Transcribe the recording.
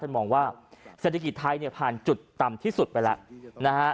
ท่านมองว่าเศรษฐกิจไทยผ่านจุดต่ำที่สุดไปฝ่าย